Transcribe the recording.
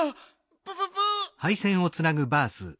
プププ？